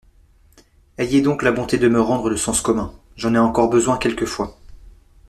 Ayez donc la bonté de me rendre le sens commun : j'en ai encore besoin quelquefois.